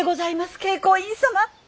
慶光院様。